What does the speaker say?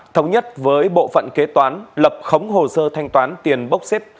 thống nhất với bộ phận kế toán lập khống hồ sơ thanh toán tiền bốc xếp